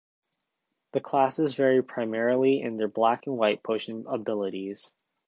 The classes vary primarily in their black and white potion abilities.